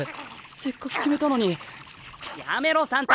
せっかく決めたのにやめろサンタ！